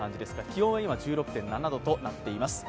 気温は今、１６．７度となっています。